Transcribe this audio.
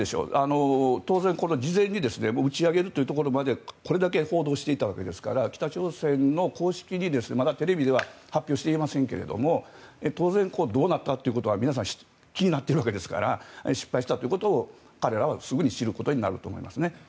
当然、事前に打ち上げるというところまでこれだけ報道していたわけですから北朝鮮は公式にまだテレビでは発表していませんが当然、どうなった？ってことは皆さん気になってるわけですから失敗したということを彼らはすぐに知ることになると思いますね。